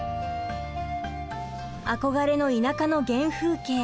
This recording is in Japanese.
憧れの田舎の原風景